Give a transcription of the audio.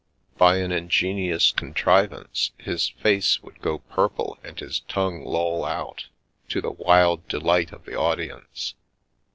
By an ingenious contrivance his face would go purple and his tongue loll out, to the wild delight of the audience.